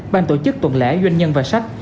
ban tổ chức tuần lễ doanh nhân và sách